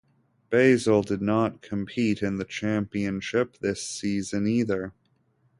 Basel did not compete in the championship this season either.